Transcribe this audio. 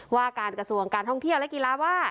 ว่าการกระทรวงการท่องเที่ยวและกีฬาว่า